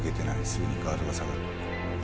すぐにガードが下がる。